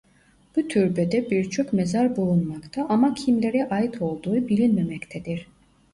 Bu türbede birçok mezar bulunmakta ama kimlere ait olduğu bilinmemektedir.